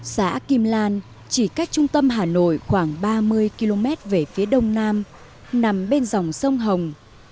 xã kim lan chỉ cách trung tâm hà nội khoảng ba mươi km về phía đông nam nằm bên dòng sông hồng